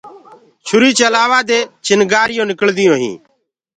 چوري چلآوآ دي چِڻگينٚ نِڪݪديونٚ هينٚ۔